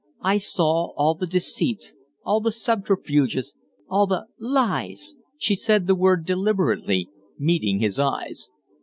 "I saw all the deceits, all the subterfuges, all the lies." She said the word deliberately, meeting his eyes.